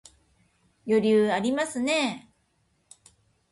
余裕ありますね